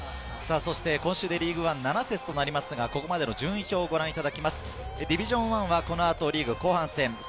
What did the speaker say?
今週でリーグワン７節となりますが、ここまでの順位表をご覧いただきます、ディビジョン１はこの後、リーグ後半戦。